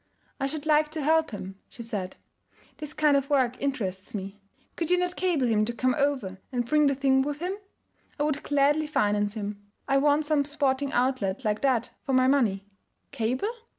'I should like to help him,' she said. 'This kind of work interests me. Could you not cable him to come over and bring the thing with him? I would gladly finance him. I want some sporting outlet like that for my money.' 'Cable?'